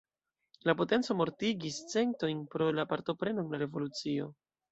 La potenco mortigis centojn pro la partopreno en la revolucio.